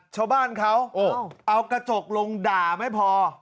ชาวบ้านเขาเอากระจกลงด่าไม่พอ